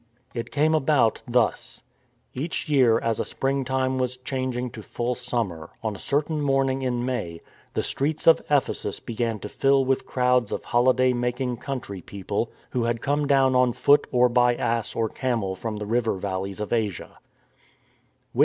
It came about thus. Each year as spring time was changing to full summer, on a certain morning in THE DEFIANCE OF ARTEMIS 259 May/ the streets of Ephesus began to fill with crowds of hoHday making country people, who had come down on foot or by ass or camel from the river valleys of Asia.